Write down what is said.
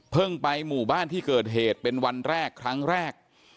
ไปหมู่บ้านที่เกิดเหตุเป็นวันแรกครั้งแรก